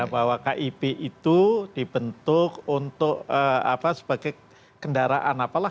bahwa kib itu dibentuk untuk sebagai kendaraan apalah